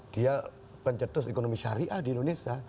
dia pencetus ekonomi syariah di indonesia